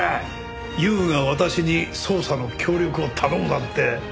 悠が私に捜査の協力を頼むなんて。